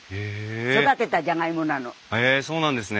へえそうなんですね！